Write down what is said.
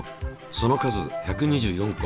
その数１２４個。